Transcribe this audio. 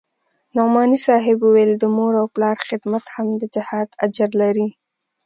نعماني صاحب وويل د مور و پلار خدمت هم د جهاد اجر لري.